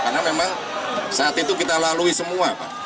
karena memang saat itu kita lalui semua